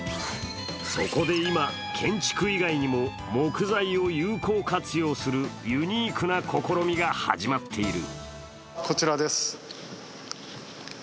そこで今、建築以外にも木材を有効活用するユニークな試みが始まっている。